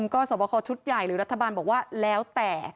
ก็สวบคอชุดใหญ่หรือรัฐบาลบอกว่าแล้วแต่